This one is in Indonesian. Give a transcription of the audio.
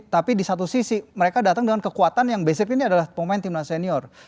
tapi di satu sisi mereka datang dengan kekuatan yang basic ini adalah pemain timnas senior